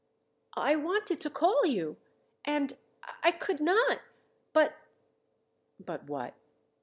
"I wanted to call you, and I could not but " "But what?"